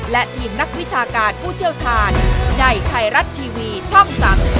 และทีมนักวิชาการผู้เชี่ยวชาญในไทยรัฐทีวีช่อง๓๒